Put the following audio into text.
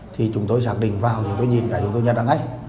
thì chúng tôi xác định vào chúng tôi nhìn cả chúng tôi nhận ra ngay